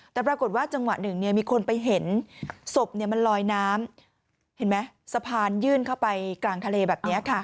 แต่ปรากฏว่าจังหวะหนึ่งมีคนไปเห็นศพมันลอยน้ำเห็นไหมสะพานยื่นเข้าไปกลางทะเลแบบนี้ค่ะ